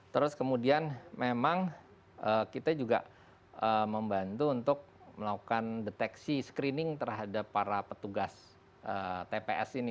terus kemudian memang kita juga membantu untuk melakukan deteksi screening terhadap para petugas tps ini